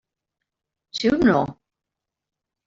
Sí o no?